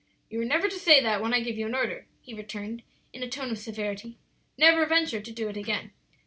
"You are never to say that when I give you an order," he returned, in a tone of severity; "never venture to do it again.